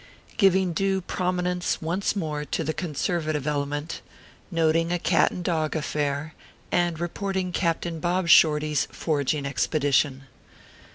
GIVING DUE PROMINENCE ONCE MORE TO THE CONSERVATIVE ELE MENT, NOTING A CAT AND DOG AFFAIR, AND REPORTING CAPTAIN BOB SHORTY S FORAGING EXPEDITION.